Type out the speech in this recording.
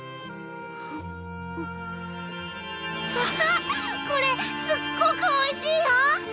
うわあこれすごくおいしいよ！